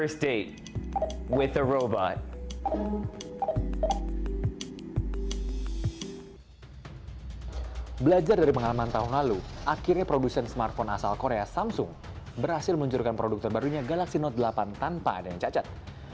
saya berjanji temu pertama dengan robot